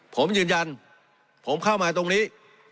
ผมยืนยันผมเข้ามาตรงนี้